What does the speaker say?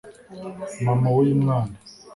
Mama w’uyu mwana